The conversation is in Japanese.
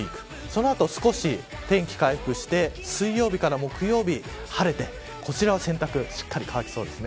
その後、少し天気が回復して水曜日から木曜日に晴れてこちらは、洗濯しっかり乾きそうです。